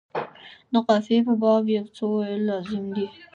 د قافیې په باب یو څه ویل لازم دي.